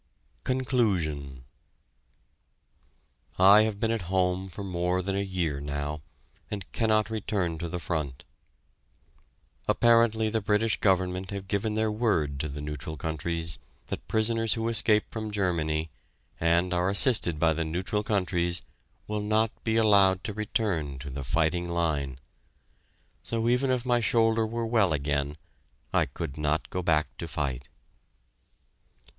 CONCLUSION I have been at home for more than a year now, and cannot return to the front. Apparently the British Government have given their word to the neutral countries that prisoners who escape from Germany, and are assisted by the neutral countries, will not be allowed to return to the fighting line. So even if my shoulder were well again, I could not go back to fight.